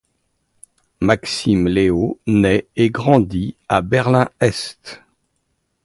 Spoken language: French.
Maxim Leo nait et grandit à Berlin-Est.